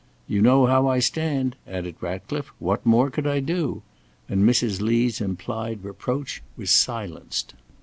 "You know how I stand;" added Ratcliffe; "what more could I do?" And Mrs. Lee's implied reproach was silenced.